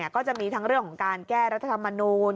ก็จะมีทั้งเรื่องของการแก้รัฐธรรมนูล